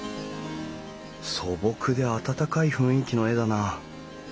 素朴で温かい雰囲気の絵だな。